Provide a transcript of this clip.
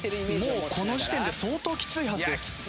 もうこの時点で相当きついはずです。